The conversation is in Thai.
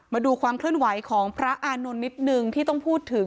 มาดูความเคลื่อนไหวของพระอานนท์นิดนึงที่ต้องพูดถึง